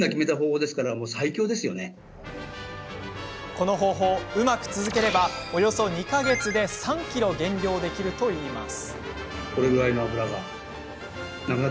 この方法、うまく続ければおよそ２か月で３ｋｇ減量できるといいます。